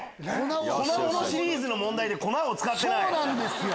粉ものシリーズの問題で粉を使ってない？